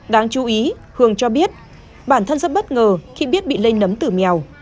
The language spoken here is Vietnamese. đáng chú ý hương cho biết bản thân rất bất ngờ khi biết bị lây nấm từ mèo